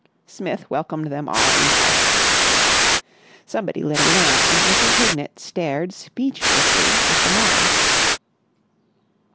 Smith welcomed them all impartially. Somebody lit a lamp, and Mrs. Hignett stared speechlessly at the mob.